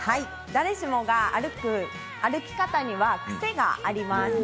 誰しもが、歩く歩き方には、癖があります。